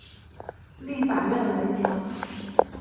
立法院围墙